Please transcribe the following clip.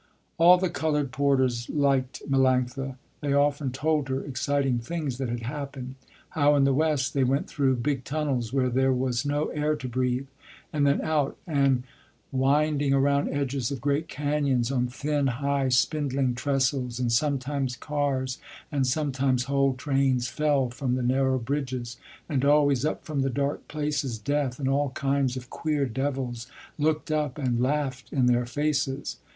All the colored porters liked Melanctha. They often told her exciting things that had happened; how in the West they went through big tunnels where there was no air to breathe, and then out and winding around edges of great canyons on thin high spindling trestles, and sometimes cars, and sometimes whole trains fell from the narrow bridges, and always up from the dark places death and all kinds of queer devils looked up and laughed in their faces.